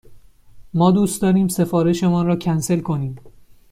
ما دوست داریم سفارش مان را کنسل کنیم.